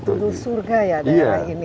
itu sebenarnya betul betul surga ya daerah ini ya